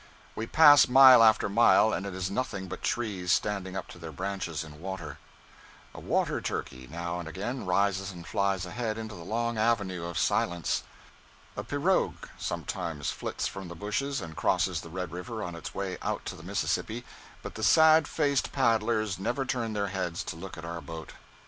We pass mile after mile, and it is nothing but trees standing up to their branches in water. A water turkey now and again rises and flies ahead into the long avenue of silence. A pirogue sometimes flits from the bushes and crosses the Red River on its way out to the Mississippi, but the sad faced paddlers never turn their heads to look at our boat.